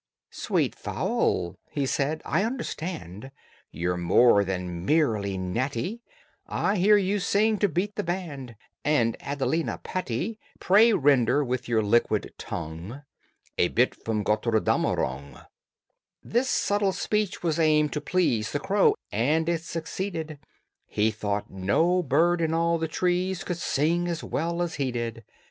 "Sweet fowl," he said, "I understand You're more than merely natty, I hear you sing to beat the band And Adelina Patti. Pray render with your liquid tongue A bit from 'Gotterdammerung.'" This subtle speech was aimed to please The crow, and it succeeded: He thought no bird in all the trees Could sing as well as he did.